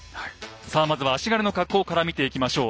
さあまずは足軽の格好から見ていきましょう。